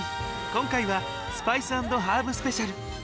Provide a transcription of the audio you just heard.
今回はスパイス＆ハーブスペシャル。